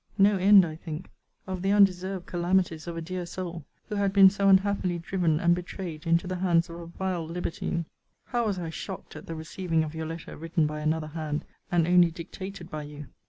No end, I think, of the undeserved calamities of a dear soul, who had been so unhappily driven and betrayed into the hands of a vile libertine! How was I shocked at the receiving of your letter written by another hand, and only dictated by you!